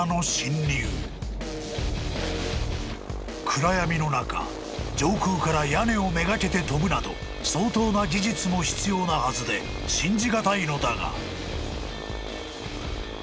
［暗闇の中上空から屋根をめがけて飛ぶなど相当な技術も必要なはずで信じ難いのだが］